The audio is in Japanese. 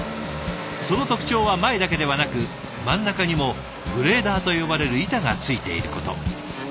その特徴は前だけではなく真ん中にもグレーダーと呼ばれる板が付いていること。